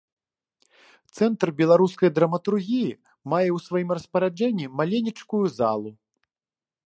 Цэнтр беларускай драматургіі мае ў сваім распараджэнні маленечкую залу.